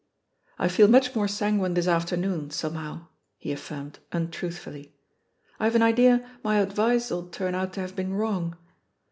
"I feel much more sanguine this afternoon^ somehow/' he affirmed untruthfully; "I've an idea my advice'll turn out to have been wrong.